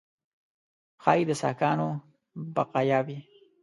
ښایي د ساکانو بقایاوي.